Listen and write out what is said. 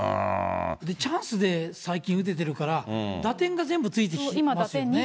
チャンスで最近打ててるから、打点が全部ついてきてますよね。